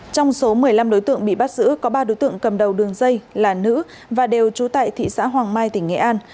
trong số một mươi năm đối tượng bị bắt giữ có ba đối tượng cầm đầu đường dây là nữ và đều trú tại thị xã hoàng mai tỉnh nghệ an